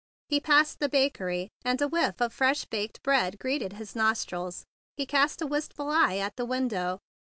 He passed the bakery, and a whiff of fresh baked bread greeted his nostrils. He cast a wistful eye at the window.